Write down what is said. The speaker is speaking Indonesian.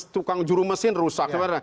tukang jurumesin rusak